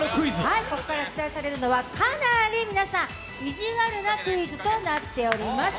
ここから出題されるのはかなりいじわるなクイズとなっております。